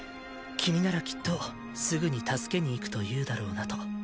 君ならきっとすぐに助けに行くと言うだろうなと。